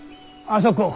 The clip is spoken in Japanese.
あそこを。